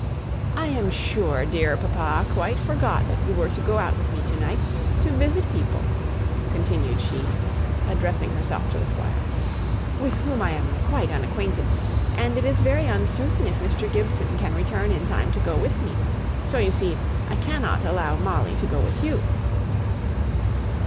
"I am sure dear papa quite forgot that you were to go out with me to night, to visit people," continued she, addressing herself to the Squire, "with whom I am quite unacquainted and it is very uncertain if Mr. Gibson can return in time to accompany me so, you see, I cannot allow Molly to go with you."